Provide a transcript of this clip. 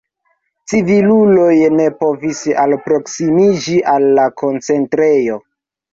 Civiluloj ne povis alproksimiĝi al la koncentrejo.